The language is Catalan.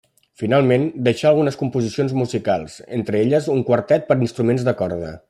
Finalment, deixà algunes composicions musicals, entre elles un quartet per a instruments de corda.